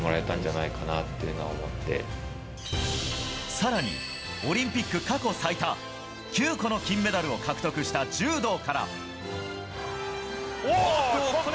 更に、オリンピック過去最多９個の金メダルを獲得した柔道から。